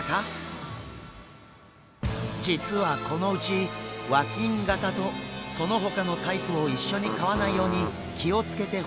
実はこのうち和金型とそのほかのタイプを一緒に飼わないように気を付けてほしいんです。